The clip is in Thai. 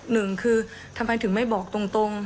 หนึ่งคือทำไมถึงไม่บอกตรง